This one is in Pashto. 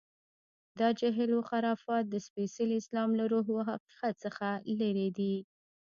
دا جهل و خرافات د سپېڅلي اسلام له روح و حقیقت څخه لرې دي.